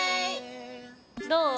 どう？